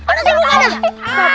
aduh jangan lupa tak